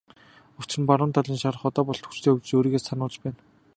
Учир нь баруун талын шарх одоо болтол хүчтэй өвдөж өөрийгөө сануулж байна.